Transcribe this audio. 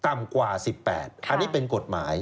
ต่ำกว่า๑๘อันนี้เป็นกฎหมาย